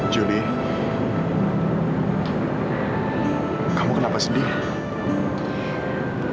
julie kamu kenapa sedih